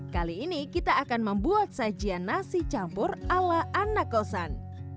kali ini kita akan membuat sajian nasi campur ala anak kosan